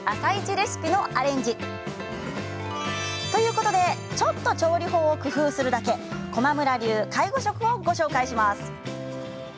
レシピのアレンジ。ということでちょっと調理法を工夫するだけ駒村流介護食をご紹介します。